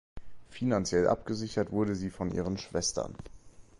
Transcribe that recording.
Finanziell abgesichert wurde sie von ihren Schwestern.